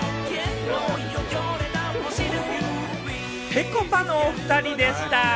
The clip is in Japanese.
ぺこぱのお２人でした。